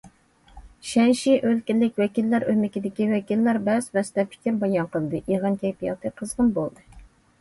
شەنشى ئۆلكىلىك ۋەكىللەر ئۆمىكىدىكى ۋەكىللەر بەس- بەستە پىكىر بايان قىلدى، يىغىن كەيپىياتى قىزغىن بولدى.